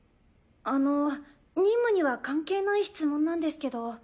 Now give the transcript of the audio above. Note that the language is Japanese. あの任務には関係ない質問なんですけど。